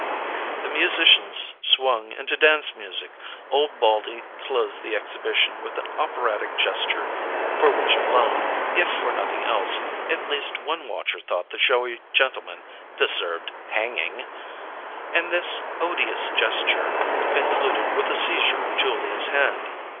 The musicians swung into dance music; old Baldy closed the exhibition with an operatic gesture (for which alone, if for nothing else, at least one watcher thought the showy gentleman deserved hanging), and this odious gesture concluded with a seizure of Julia's hand.